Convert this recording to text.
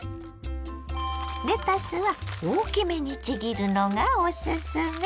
レタスは大きめにちぎるのがおすすめ。